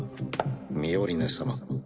ミオリネ様。